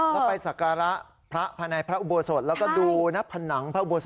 แล้วไปศักราพระพาในพระอุบโสฯแล้วก็ดูผนนั้นพระอุบโสฯ